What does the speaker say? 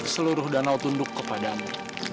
seluruh danau tunduk kepadamu